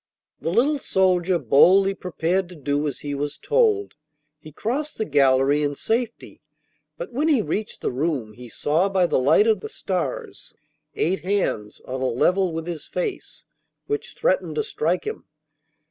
The little soldier boldly prepared to do as he was told. He crossed the gallery in safety, but when he reached the room he saw by the light of the stars eight hands on a level with his face, which threatened to strike him.